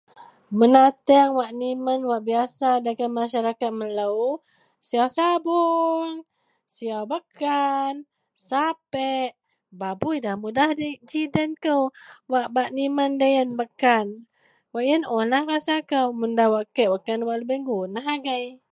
benatang wak nimen wak biasa dagen Masyarakat melou, siyaw sabuong, siyaw bakkan, sapek babui da mudah ji den kou, wak nimen doyien bakkan, wak ien unlah rasa kou mun da wak kek wakkan lubeang guunlah agei